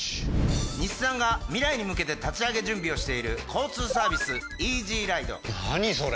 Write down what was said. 日産が未来に向けて立ち上げ準備をしている交通サービス何それ？